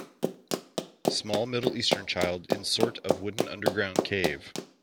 Small middle eastern child in sort of wooden underground cave.